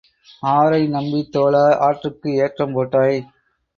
ஆரை நம்பித் தோழா, ஆற்றுக்கு ஏற்றம் போட்டாய்?